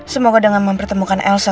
semoga dengan mempertemukan elsa